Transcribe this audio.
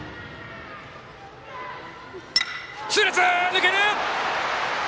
抜ける！